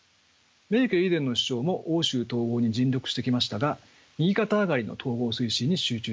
メルケル以前の首相も欧州統合に尽力してきましたが右肩上がりの統合推進に集中できました。